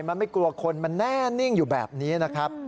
มันไม่กลัวคนมันแน่นิ่งอยู่แบบนี้นะครับ